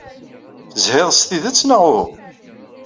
Tezhiḍ s tidet, neɣ uhu?